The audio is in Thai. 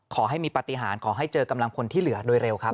ขอให้มีปฏิหารขอให้เจอกำลังพลที่เหลือโดยเร็วครับ